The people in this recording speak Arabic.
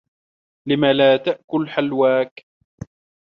لِمَ لَم تأكل حلواك؟